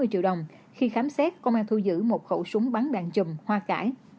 hai mươi triệu đồng khi khám xét công an thu giữ một khẩu súng bắn đạn chùm hoa cải